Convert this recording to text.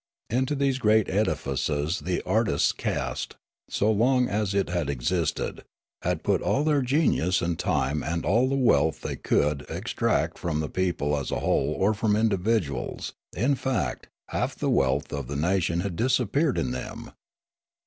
Into these great edifices the artist caste, so long as it had existed, had put all their genius and time and all the wealth that they could extract from the people as a whole or from individuals ; in fact, half the wealth of the nation had disappeared in them.